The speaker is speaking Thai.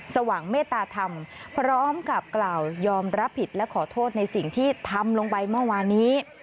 สว่างเมตตาธรรมพร้อมกับกล่าวยอมรับผิดและขอโทษในสิ่งที่ทำลงไปเมื่อวานนี้